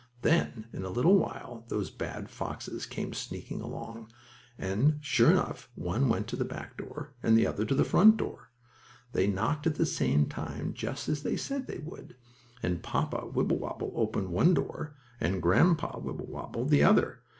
Then, in a little while, those bad foxes came sneaking along. And, sure enough, one went to the back door and the other to the front door. They knocked at the same time, just as they had said they would, and Papa Wibblewobble opened one door and Grandpa Wibblewobble the other.